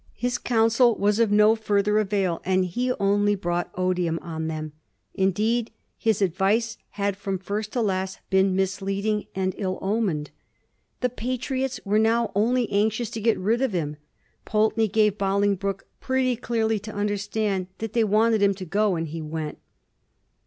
His counsel was of no further avail, and he only brought odium on them; indeed, his advice had from first to last been misleading and ill omened. The Patriots were now only anxious to get rid of him; Pulteney gave Bolingbroke pretty clearly to understand that they want ed him to go, and he went.